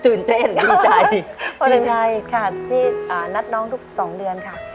ตื่นเต้นดีใจดีใจค่ะที่นัดน้องทุก๒เดือนค่ะ